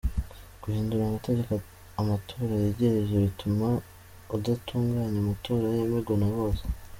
"Guhindura amategeko amatora yegereje bituma udatunganya amatora yemegwa na bose.